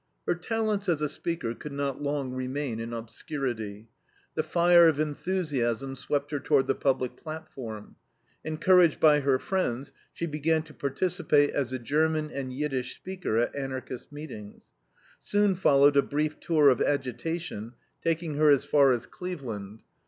Her talents as a speaker could not long remain in obscurity. The fire of enthusiasm swept her toward the public platform. Encouraged by her friends, she began to participate as a German and Yiddish speaker at Anarchist meetings. Soon followed a brief tour of agitation taking her as far as Cleveland.